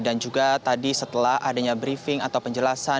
dan juga tadi setelah adanya briefing atau penjelasan